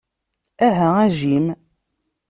Aha, a Jim.